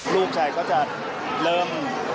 ลูกชายก็จะเริ่ม